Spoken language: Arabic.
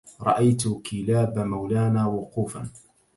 رأيت كلاب مولانا وقوفا